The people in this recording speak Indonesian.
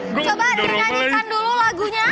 nyanyikan dulu lagunya